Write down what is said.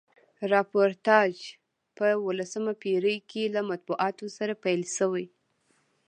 راپورتاژپه اوولسمه پیړۍ کښي له مطبوعاتو سره پیل سوی.